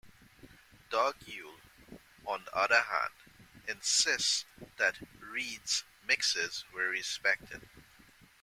Doug Yule, on the other hand, insists that Reed's mixes were respected.